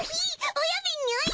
おやびんにゅい！